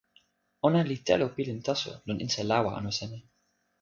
ona li telo pilin taso lon insa lawa anu seme?